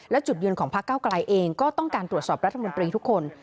และจุดยืนของพักเก้าไกลเองก็ต้องการตรวจสอบรัฐมนตรีทุกคน